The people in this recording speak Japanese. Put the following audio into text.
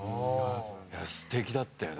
すてきだったよ。